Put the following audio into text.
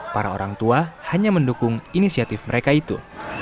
para orang tua hanya mendukung inisiatif mereka itu